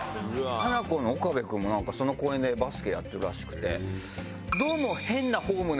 ハナコの岡部君もその公園でバスケやってるらしくて。